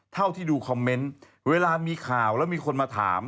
เท่าที่ดูคอมเมนต์เวลามีข่าวแล้วมีคนมาถาม